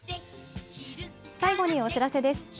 最後に、お知らせです。